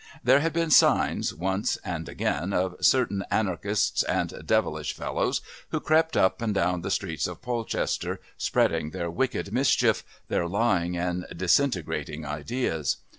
There had been signs, once and again, of certain anarchists and devilish fellows, who crept up and down the streets of Polchester spreading their wicked mischief, their lying and disintegrating ideas.